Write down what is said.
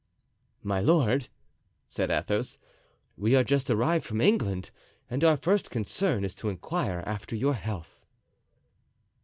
"My lord," said Athos, "we are just arrived from England and our first concern is to inquire after your health."